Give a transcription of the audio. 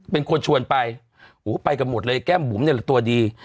เป็นคนชวนไปไปกันหมดเลยแก้มหมุนเป็นตัวดี